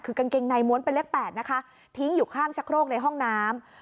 คือกางเกงในม้วนเป็นเลข๘นะคะทิ้งอยู่ข้างชะโครกในห้องน้ำ